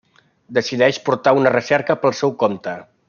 Decideix portar una recerca pel seu compte.